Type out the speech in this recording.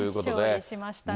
勝利しましたね。